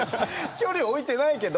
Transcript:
距離置いてないけど。